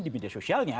di media sosialnya